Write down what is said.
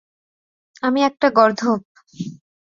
আমি একটা গর্দভ।